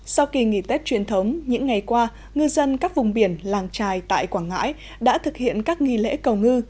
sau kỳ nghỉ tết truyền thống những ngày qua ngư dân các vùng biển làng trài tại quảng ngãi đã thực hiện các nghi lễ cầu ngư